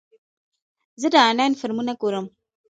زه د انلاین فلمونه ګورم.